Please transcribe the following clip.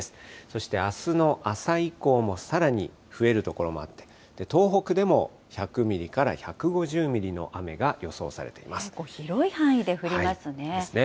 そしてあすの朝以降もさらに増える所もあって、東北でも１００ミリから１５０ミリの雨が予想されています。ですね。